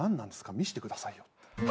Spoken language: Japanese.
見せてくださいよって。